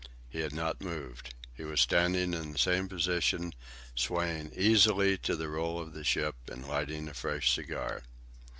He had not moved. He was standing in the same position, swaying easily to the roll of the ship and lighting a fresh cigar.